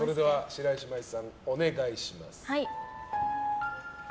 白石麻衣さん、お願いします。